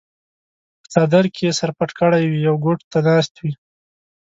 پۀ څادر کښې ئې سر پټ کړے وي يو ګوټ ته ناست وي